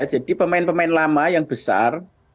pemain pemain lama yang besar